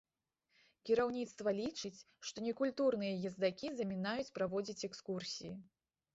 Кіраўніцтва лічыць, што некультурныя ездакі замінаюць праводзіць экскурсіі.